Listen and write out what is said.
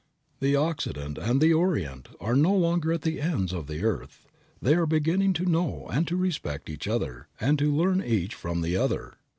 The Occident and the Orient are no longer at the ends of the earth. They are beginning to know and to respect each other, and to learn each from the other.